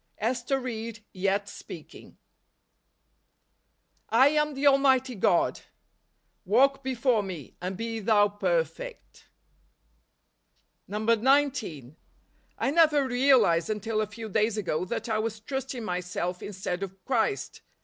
Ester Ried Yet Speaking. " lam the Almighty God; walk before me , and be thou perfect." 19. I never realized, until a few days ago, that I was trusting myself instead of Christ.